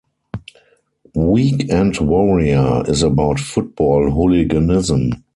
"Weekend Warrior" is about football hooliganism.